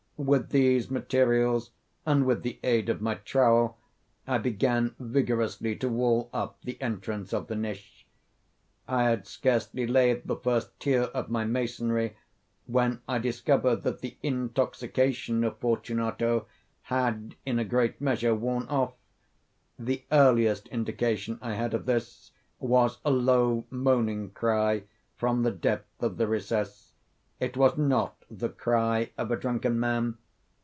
With these materials and with the aid of my trowel, I began vigorously to wall up the entrance of the niche. I had scarcely laid the first tier of my masonry when I discovered that the intoxication of Fortunato had in a great measure worn off. The earliest indication I had of this was a low moaning cry from the depth of the recess. It was not the cry of a drunken man.